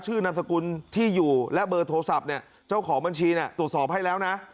นามสกุลที่อยู่และเบอร์โทรศัพท์เนี่ยเจ้าของบัญชีเนี่ยตรวจสอบให้แล้วนะ